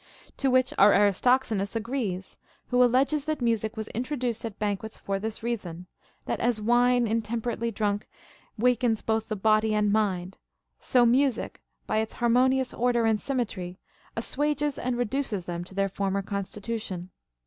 To which our Aristoxenus agrees, who alleges that music was introduced at banquets for this reason, that as Avine intemperately drunk weakens both the body and mind, so music by its harmonious order and symmetry assuages and reduces them to their former constitution.